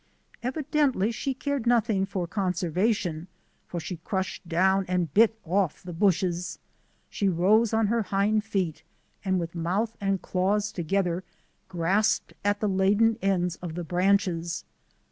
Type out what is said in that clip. Evidently she cared nothing for con servation, for she crushed down and bit off the bushes. She rose on her hind feet and with mouth and claws together grasped at the laden ends of the branches.